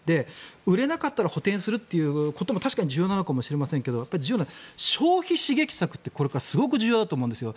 売れなかったら補てんするということも確かに重要なのかもしれませんが重要なのは消費刺激策ってこれから重要だと思うんですよ。